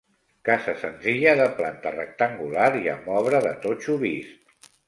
Casa senzilla de planta rectangular, i amb obra de totxo vist.